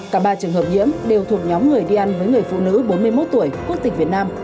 cả ba trường hợp nhiễm đều thuộc nhóm người đi ăn với người phụ nữ bốn mươi một tuổi quốc tịch việt nam